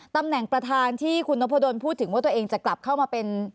ตำแหน่งประธานที่คุณนพดลพูดถึงว่าตัวเองจะกลับเข้ามาเป็น